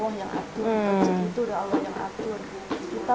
kursus itu udah allah yang atur